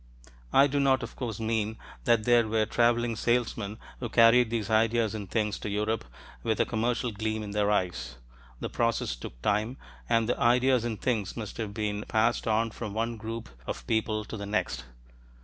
I do not, of course, mean that there were traveling salesmen who carried these ideas and things to Europe with a commercial gleam in their eyes. The process took time, and the ideas and things must have been passed on from one group of people to the next.